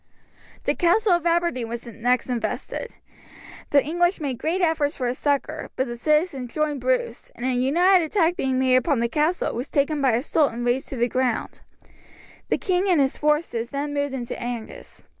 The castle of Aberdeen was next invested. The English made great efforts for its succour, but the citizens joined Bruce, and a united attack being made upon the castle it was taken by assault and razed to the ground. The king and his forces then moved into Angus.